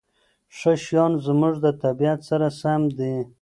ښه شیان زموږ د طبیعت سره سم دي.